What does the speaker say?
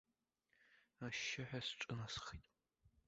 Ашьшьыҳәа сҿынасхеит.